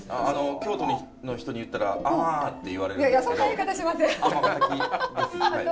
京都の人に言ったら「ああ」って言われるんですけど。